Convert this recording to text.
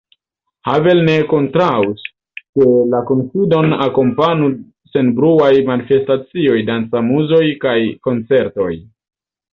Havel ne kontraŭus, ke la kunsidon akompanu senbruaj manifestacioj, dancamuzoj kaj koncertoj.